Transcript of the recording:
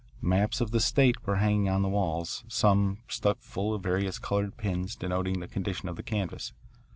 Maps of the state were hanging on the walls, some stuck full of various coloured pins denoting the condition of the canvass.